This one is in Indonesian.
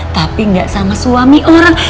tapi gak sama suami orang